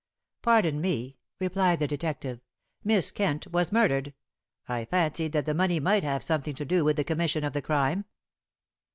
"Pardon me," replied the detective. "Miss Kent was murdered. I fancied that the money might have something to do with the commission of the crime."